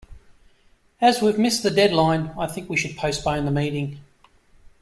As we've missed the deadline, I think we should postpone the meeting.